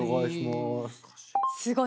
すごい。